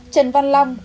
trần văn long